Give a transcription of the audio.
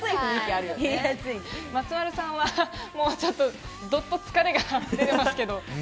松丸さんはどっと疲れが出てますけど。